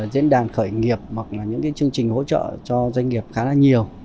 diễn đàn khởi nghiệp hoặc là những chương trình hỗ trợ cho doanh nghiệp khá là nhiều